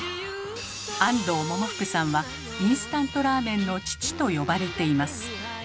安藤百福さんは「インスタントラーメンの父」と呼ばれています。